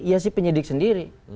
ya si penyidik sendiri